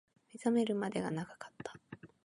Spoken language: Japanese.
目覚めるまで長かった